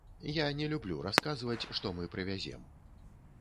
Я не люблю расказваць, што мы прывязем.